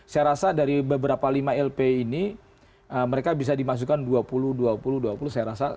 saya rasa dari beberapa lima lp ini mereka bisa dimasukkan dua puluh dua puluh dua puluh saya rasa